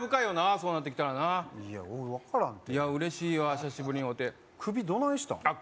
そうなってきたらないや俺分からんてうれしいわ久しぶりに会うて首どないしたんあっ